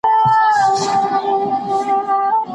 د نري رنځ د ناروغی په اثر